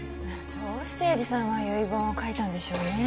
どうして栄治さんは遺言を書いたんでしょうね。